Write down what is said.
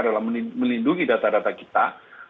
dalam melindungi data data kita